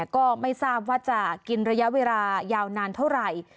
ก็ไม่ทราบว่าจะกินระยะเวลายาวนานเท่าไหร่